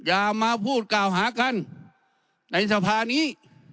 อย่ามาพูดกล่าวหากันในสภานี้